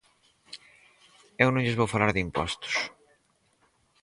Eu non lles vou falar de impostos.